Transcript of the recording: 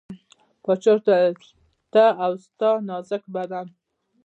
باچا ورته وویل ته او ستا نازک بدن.